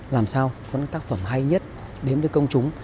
làm sao có những tác phẩm hay nhất đến với công chúng